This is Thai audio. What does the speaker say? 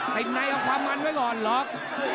ติดในเอาความมันไว้ก่อนล็อก